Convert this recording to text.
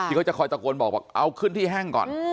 เขาจะคอยตะโกนบอกบอกเอาขึ้นที่แห้งก่อน